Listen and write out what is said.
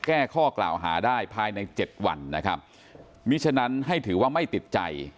แก้ข้อกล่าวหาได้ภายในเจ็ดวันนะครับมีฉะนั้นให้ถือว่าไม่ติดใจ